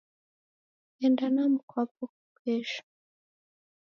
Enda na mkwako kesho